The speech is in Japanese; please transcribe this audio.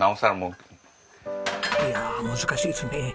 いや難しいですね。